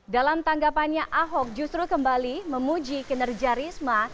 dalam tanggapannya ahok justru kembali memuji kinerja risma